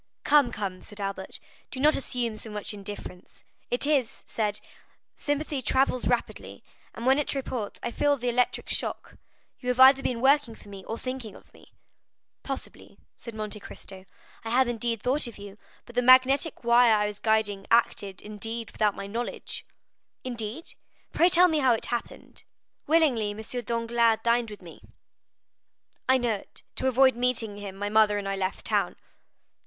"Come, come," said Albert, "do not assume so much indifference. It is said, sympathy travels rapidly, and when at Tréport, I felt the electric shock; you have either been working for me or thinking of me." "Possibly," said Monte Cristo, "I have indeed thought of you, but the magnetic wire I was guiding acted, indeed, without my knowledge." 30277m "Indeed! Pray tell me how it happened." "Willingly. M. Danglars dined with me." "I know it; to avoid meeting him, my mother and I left town."